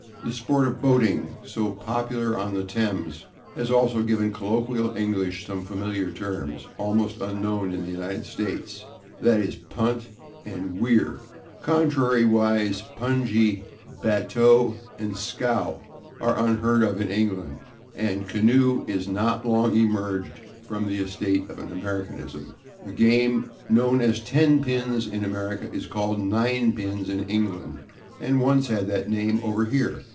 The sport of boating, so popular on the Thames, has also given colloquial English some familiar terms, almost unknown in the United States, /e. g./, /punt/ and /weir/. Contrariwise, /pungy/, /batteau/ and /scow/ are unheard of in England, and /canoe/ is not long emerged from the estate of an Americanism. The game known as /ten pins/ in America is called /nine pins/ in England, and once had that name over here.